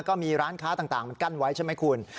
ก็มีร้านค้าต่างมันกั้นไว้ใช่ไหมคุณ